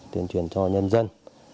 tuyên truyền cho nhân dân